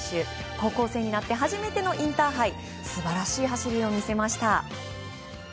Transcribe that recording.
高校生になって初めてのインターハイ素晴らしい走りを見せました。